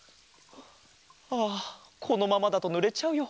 ああこのままだとぬれちゃうよ。